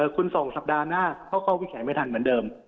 คุณส่งสัปดาห์หน้าเขาเข้าวิจัยไม่ทันเหมือนเดิม